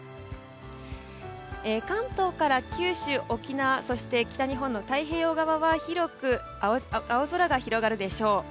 関東から九州・沖縄そして、北日本の太平洋側は広く青空が広がるでしょう。